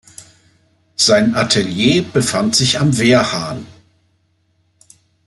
Sein Atelier befand sich am Wehrhahn.